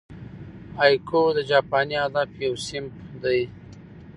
هایکو د جاپاني ادب یو صنف دئ.